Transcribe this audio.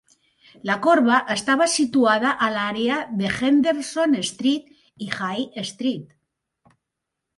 La corba estava situada a l"àrea de Henderson Street i Jay Street.